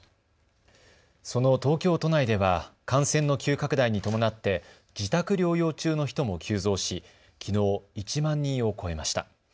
その東京都内では感染の急拡大に伴って自宅療養中の人も急増しきのう、１万人を超えました。